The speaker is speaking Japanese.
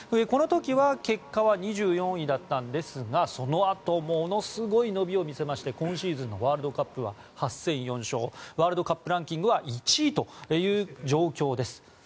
この時は、結果は２４位だったんですがそのあとものすごい伸びを見せまして今シーズンのワールドカップは８戦４勝でワールドカップランキングは１位という状況です。